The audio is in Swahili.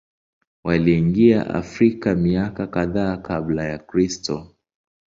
Waliingia Afrika miaka kadhaa Kabla ya Kristo.